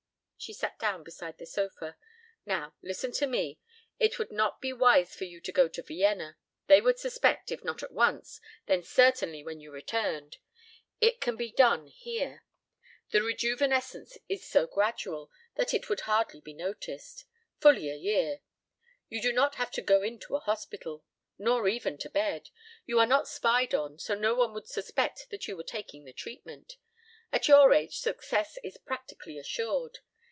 She sat down beside the sofa. "Now, listen to me. It would not be wise for you to go to Vienna. They would suspect, if not at once, then certainly when you returned. It can be done here. The rejuvenescence is so gradual that it would hardly be noticed. Fully a year. You do not have to go into a hospital, nor even to bed. You are not spied on, so no one would suspect that you were taking the treatment. At your age success is practically assured.